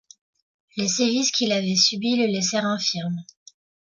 Les sévices qu'il avait subis le laissèrent infirme.